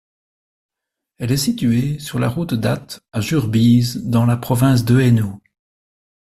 Elle est située sur la Route d'Ath à Jurbise dans la province de Hainaut.